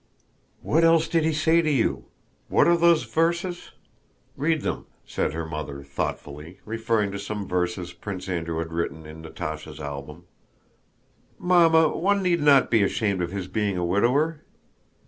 "What else did he say to you? What are those verses? Read them..." said her mother, thoughtfully, referring to some verses Prince Andrew had written in Natásha's album. "Mamma, one need not be ashamed of his being a widower?"